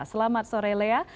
selamat sore lea